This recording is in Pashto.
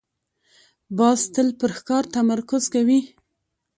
باز تل پر ښکار تمرکز کوي